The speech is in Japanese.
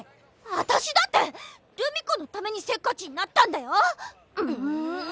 私だって留美子のためにせっかちになったんだよ。